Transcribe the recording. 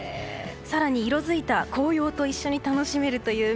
更に色づいた紅葉と一緒に楽しめるという。